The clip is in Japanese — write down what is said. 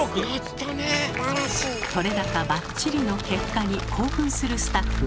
撮れ高バッチリの結果に興奮するスタッフ。